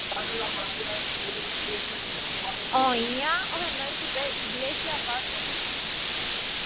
Algunos la llaman "iglesia barco".